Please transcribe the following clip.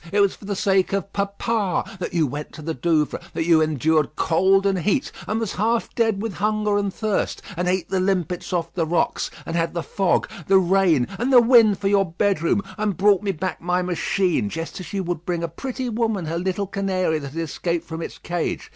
It was for the sake of papa that you went to the Douvres, that you endured cold and heat, and was half dead with hunger and thirst, and ate the limpets off the rocks, and had the fog, the rain, and the wind for your bedroom, and brought me back my machine, just as you might bring a pretty woman her little canary that had escaped from its cage.